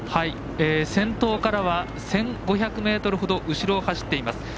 先頭からは、１５００ｍほど後ろを走っています。